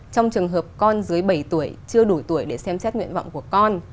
trong trường hợp con dưới bảy tuổi chưa đủ tuổi để xem xét nguyện vọng của con